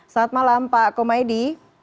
saat malam pak komaydi